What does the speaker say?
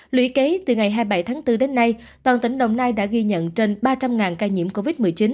lũy kế từ ngày hai mươi bảy tháng bốn đến nay toàn tỉnh đồng nai đã ghi nhận trên ba trăm linh ca nhiễm covid một mươi chín